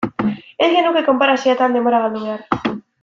Ez genuke konparazioetan denbora galdu behar.